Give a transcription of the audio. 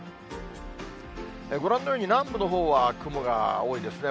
ご覧のように南部のほうは雲が多いですね。